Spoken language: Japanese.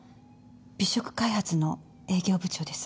美食開発の営業部長です。